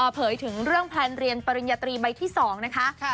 เผยถึงเรื่องแพลนเรียนปริญญาตรีใบที่๒นะคะ